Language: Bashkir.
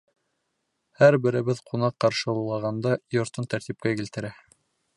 Һәр беребеҙ ҡунаҡ ҡаршылағанда йортон тәртипкә килтерә.